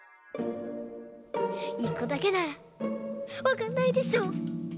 １こだけならわかんないでしょ！